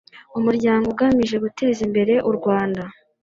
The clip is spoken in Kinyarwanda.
umuryango ugamije guteza imbere u rwanda